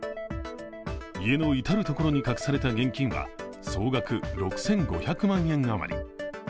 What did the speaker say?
家の至るところに隠された現金は、総額６５００万円余り。